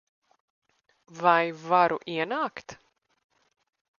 Vai varu ienākt?